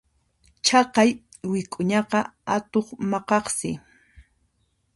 Chaqay wik'uñaqa atuq maqaqsi.